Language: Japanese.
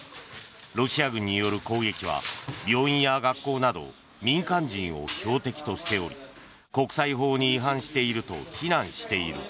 ロシア軍による攻撃は病院や学校など民間人を標的としており国際法に違反していると非難している。